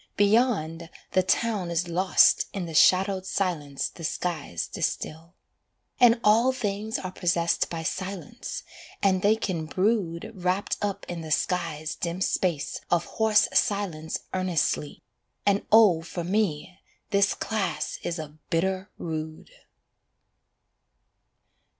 Beyond, the town Is lost in the shadowed silence the skies distil. And all things are possessed by silence, and they can brood Wrapped up in the sky's dim space of hoarse silence Earnestly and oh for me this class is a bitter rood.